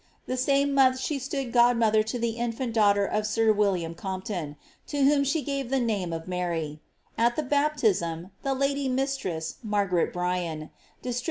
The same month she stood god mother to the infant daughter of sir William Compton, to whom she gave the name of Mary; at the baptism, the lady mistress, Margaret Bryan, distributed 33s.